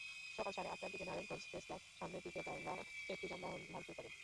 সকাল সাড়ে আটটার দিকে নারায়ণগঞ্জ প্রেসক্লাবের সামনে পিকেটাররা একটি যানবাহন ভাঙচুর করেন।